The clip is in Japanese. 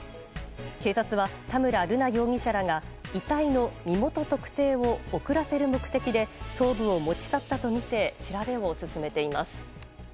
警察は、田村瑠奈容疑者らが遺体の身元特定を遅らせる目的で頭部を持ち去ったとみて調べを進めています。